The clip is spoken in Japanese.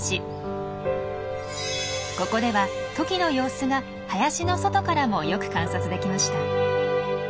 ここではトキの様子が林の外からもよく観察できました。